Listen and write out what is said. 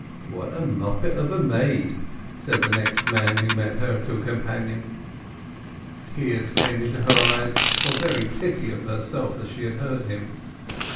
"What a mommet of a maid!" said the next man who met her to a companion. Tears came into her eyes for very pity of herself as she heard him.